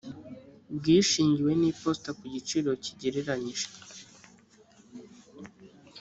bwishingiwe n iposita ku giciro kigereranyije